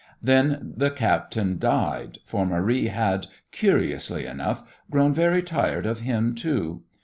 Then the captain died, for Marie had, curiously enough, grown very tired of him too.